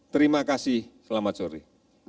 terima kasih selamat sore